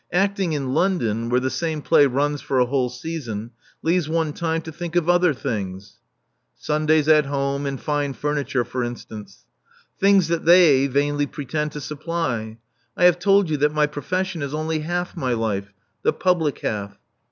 Acting in London, where the same play runs for a whole season, leaves one time to think of other things." Sundays at home, and fine furniture, for instance." Things that they vainly pretend to supply. I have told you that my profession is only half my life — the public half.